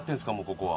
ここは。